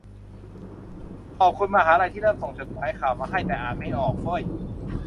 ขอบคุณมหาลัยที่เริ่มส่งจดหมายข่าวมาให้ แต่อ่านไม่ออกเฟ้ย